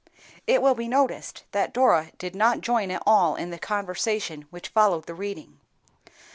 It will be noticed that Dora did not join at all in the conversation which followed the reading.